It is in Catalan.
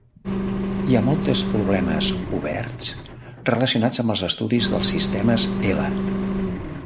Hi ha moltes problemes oberts relacionats amb els estudis dels sistemes L.